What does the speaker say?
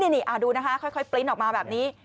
นี่ดูนะคะค่อยปริ้นต์ออกมาแบบนี้